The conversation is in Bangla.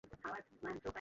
এবার আমাদের হাঁটার পালা।